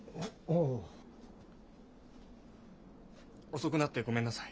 遅くなってごめんなさい。